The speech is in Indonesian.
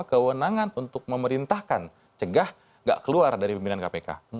kewenangan untuk memerintahkan cegah tidak keluar dari pimpinan kpk